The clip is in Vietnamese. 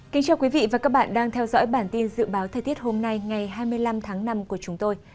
cảm ơn các bạn đã theo dõi và ủng hộ cho bản tin dự báo thời tiết hôm nay ngày hai mươi năm tháng năm của chúng tôi